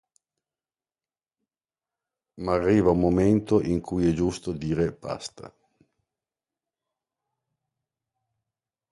Ma arriva un momento in cui è giusto dire basta”".